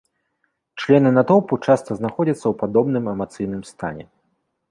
Члены натоўпу часта знаходзяцца ў падобным эмацыйным стане.